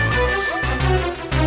satu dua tiga